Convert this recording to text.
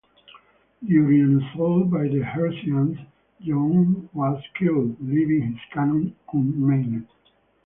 During an assault by the Hessians, John was killed, leaving his cannon unmanned.